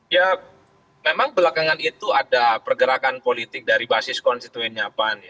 ya memang belakangan itu ada pergerakan politik dari basis konstituennya pan